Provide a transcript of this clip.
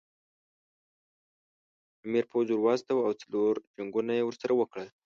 امیر پوځ ور واستاوه او څلور جنګونه یې ورسره وکړل.